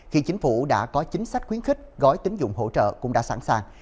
khi chính phủ đã có chính sách khuyến khích gói tính dụng hỗ trợ cũng đã sẵn sàng